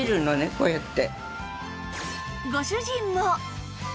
こうやって。